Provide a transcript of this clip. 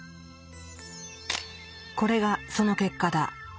これがその結果だ。